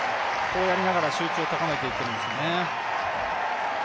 こうやりながら集中高めていってるんですね。